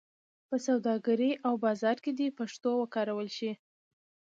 په سوداګرۍ او بازار کې دې پښتو وکارول شي.